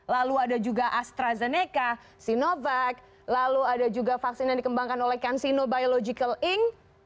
lalu ada juga astrazeneca sinovac lalu ada juga vaksin yang dikembangkan oleh cansino biological inc